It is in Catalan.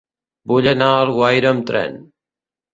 Vull anar a Alguaire amb tren.